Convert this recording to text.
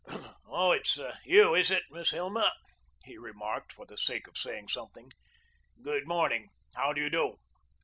"Oh, it's you, is it, Miss Hilma?" he remarked, for the sake of saying something. "Good morning. How do you do?"